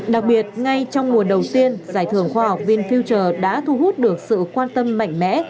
đặc biệt ngay trong mùa đầu tiên giải thưởng khoa học vinfuter đã thu hút được sự quan tâm mạnh mẽ